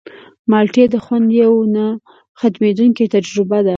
مالټې د خوند یوه نه ختمېدونکې تجربه ده.